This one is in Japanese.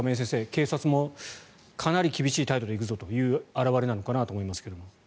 警察もかなり厳しい態度で行くぞという表れなのかなと思いますが。